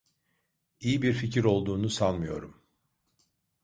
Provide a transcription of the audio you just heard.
İyi bir fikir olduğunu sanmıyorum.